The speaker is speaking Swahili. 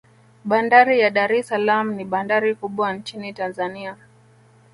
bandari ya dar es salaam ni bandari kubwa nchin tanzania